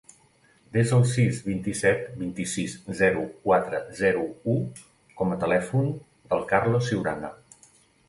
Desa el sis, vint-i-set, vint-i-sis, zero, quatre, zero, u com a telèfon del Carlos Ciurana.